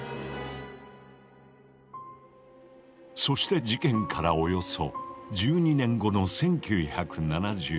そして事件からおよそ１２年後の１９７５年。